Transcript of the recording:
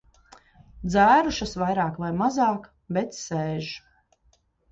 Dzērušas vairāk vai mazāk, bet sēž.